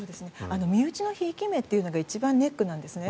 身内のひいき目というのが一番ネックなんですね。